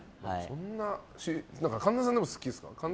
神田さん好きですか？